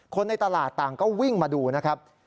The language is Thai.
ในตลาดต่างก็วิ่งมาดูนะครับ